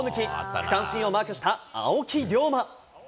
区間新をマークした青木涼真。